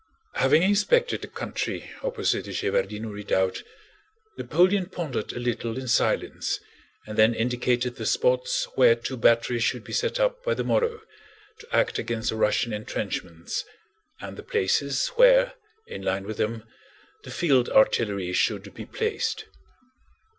Having inspected the country opposite the Shevárdino Redoubt, Napoleon pondered a little in silence and then indicated the spots where two batteries should be set up by the morrow to act against the Russian entrenchments, and the places where, in line with them, the field artillery should be placed.